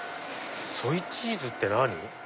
ソイチーズって何？